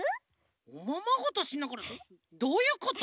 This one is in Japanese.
おままごとしながらどういうこと？